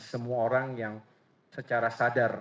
semua orang yang secara sadar